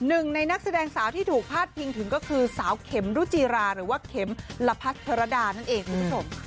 หนึ่งในนักแสดงสาวที่ถูกพาดพิงถึงก็คือสาวเข็มรุจิราหรือว่าเข็มละพัดพรดานั่นเองคุณผู้ชม